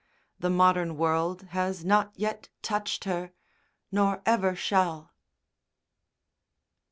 The modern world has not yet touched her, nor ever shall.